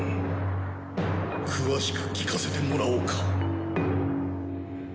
詳しく聞かせてもらおうか。